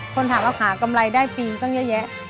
คนถามว่าหากำไรได้ฟรีตั้งเยอะแยะ